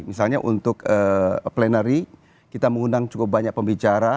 misalnya untuk plenary kita mengundang cukup banyak pembicara